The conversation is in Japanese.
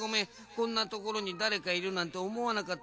こんなところにだれかいるなんておもわなかったんだ。